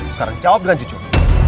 sekarang jawab dengan jujur